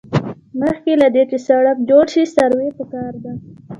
مخکې له دې چې سړک جوړ شي سروې پکار ده